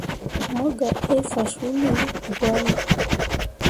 Mo gah ɗai faswulli gwari.